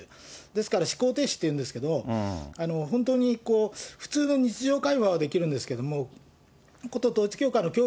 ですから、思考停止っていうんですけど、本当に普通の日常会話はできるんですけれども、こと統一教会の教